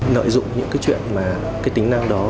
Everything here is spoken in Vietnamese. lợi dụng những cái chuyện mà cái tính năng đó